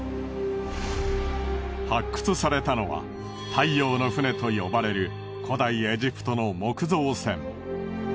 発掘されたのは太陽の船と呼ばれる古代エジプトの木造船。